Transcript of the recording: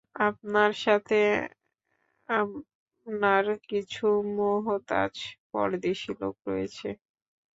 আপনার সাথে আপনার কিছু মুহতাজ পরদেশী লোক রয়েছে।